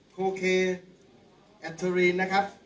โคเคแอปเทอรีน